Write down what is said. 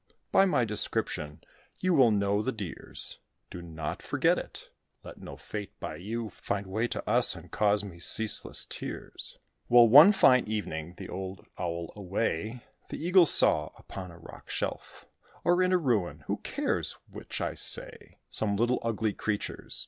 By my description you will know the dears; Do not forget it: let no fate by you Find way to us, and cause me ceaseless tears." Well, one fine evening, the old Owl away, The Eagle saw, upon a rocky shelf, Or in a ruin, (who cares which I say?) Some little ugly creatures.